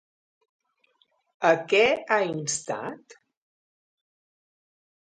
A què ha instat?